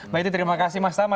maiti terima kasih mas tama